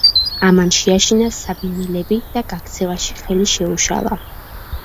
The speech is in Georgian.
ამან შეაშინა საბინელები და გაქცევაში ხელი შეუშალა.